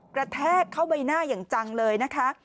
แทกเข้าใบหน้าอย่างจังเลยนะคะ